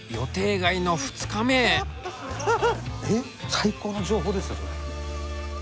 最高の情報ですよそれ。